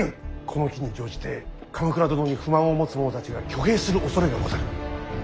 この機に乗じて鎌倉殿に不満を持つ者たちが挙兵するおそれがござる。